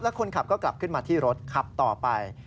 คนขับก็กลับขึ้นมาที่รถขับต่อไป